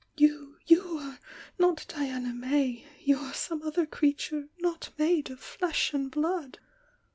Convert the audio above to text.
You — you are not Diana May — you are some other creature, not made of flesh and blood!"